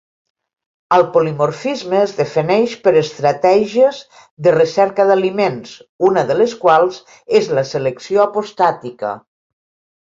El polimorfisme es defineix per estratègies de recerca d'aliments, una de les quals és la selecció apostàtica.